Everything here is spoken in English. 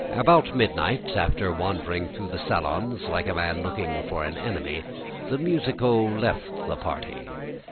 About midnight after wandering through the salons like a man looking for an enemy, the musico left the party.